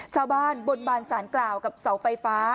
สาวบ้านบนบานสารกล่าวกับเสาไฟฟ้า